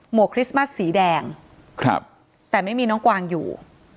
วกคริสต์มัสสีแดงครับแต่ไม่มีน้องกวางอยู่